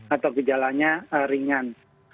atau gejalanya ringan